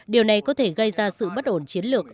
điều này có thể gây ra sự bất ổn chiến lược